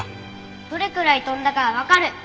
どれくらい飛んだかわかる！